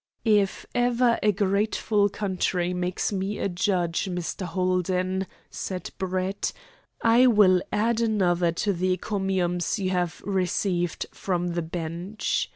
"If ever a grateful country makes me a judge, Mr. Holden," said Brett, "I will add another to the encomiums you have received from the Bench.